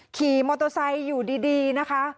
ขี่มอเตอร์ไซค์อยู่ดีนะคะ